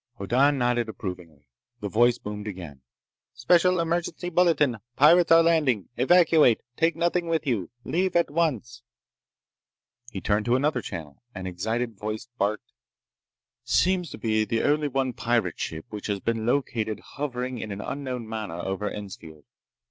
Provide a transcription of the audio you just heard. Hoddan nodded approvingly. The voice boomed again: "Special Emergency Bulletin! Pirates are landing ... evacuate ... take nothing with you.... Leave at once...." He turned to another channel. An excited voice barked: "... Seems to be only the one pirate ship, which has been located hovering in an unknown manner over Ensfield.